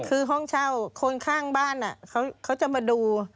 คือห้องเช่าคนข้างบ้านเขาจะมาดู